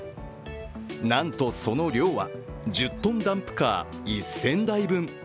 なんと、その量は１０トンダンプカー１０００台分。